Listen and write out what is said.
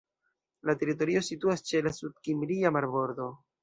La teritorio situas ĉe la Sud-Kimria marbordo.